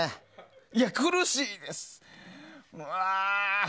いや、苦しいです。